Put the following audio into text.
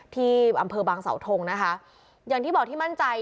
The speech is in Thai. ที่อำเภอบางเสาทงนะคะอย่างที่บอกที่มั่นใจ